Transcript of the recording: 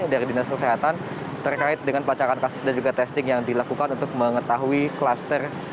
dari dinas kesehatan terkait dengan pelacakan kasus dan juga testing yang dilakukan untuk mengetahui kluster